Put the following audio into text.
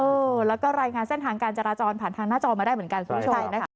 เออแล้วก็รายงานเส้นทางการจราจรผ่านทางหน้าจอมาได้เหมือนกันคุณผู้ชมนะคะ